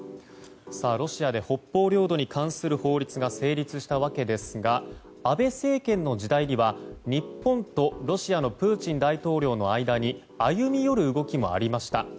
ロシアで北方領土に関する法律が成立したわけですが安倍政権の時代には日本とロシアのプーチン大統領の間に歩み寄る動きもありました。